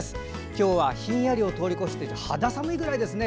今日はひんやりを通り越して肌寒いくらいですね。